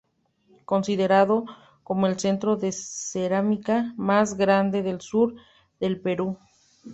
Considerado como el centro de cerámica más grande del sur del Perú.